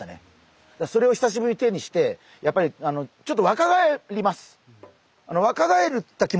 それを久しぶりに手にしてやっぱりちょっと若返ります。